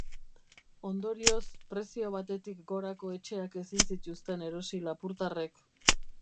Ondorioz, prezio batetik gorako etxeak ezin zituzten erosi lapurtarrek.